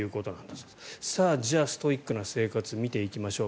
じゃあ、ストイックな生活を見ていきましょう。